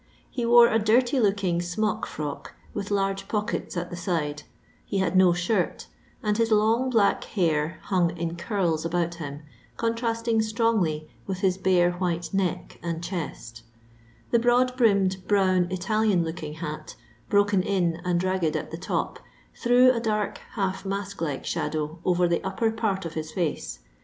He wore a dirty looking smock frock with laige pockeU at the side ; he had no shirt ; and his long black hair himg in curis about him, contrasting strongly with his bare white neck and chest i The broad brimmed brown Italian looking hat, broken in and ngged at the top, threw a dark hsilf mask like shadow over the upper part of his foce.